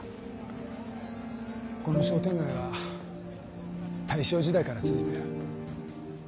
この商店街は大正時代から続いてる。